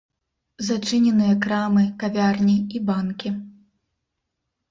Зачыненыя крамы, кавярні і банкі.